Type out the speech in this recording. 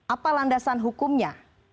apa landasan hukumnya